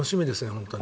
本当に。